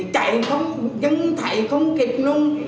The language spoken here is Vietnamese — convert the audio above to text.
chạy nhưng thầy không kịp luôn